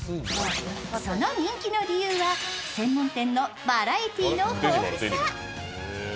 その人気の理由は、専門店のバラエティーの豊富さ。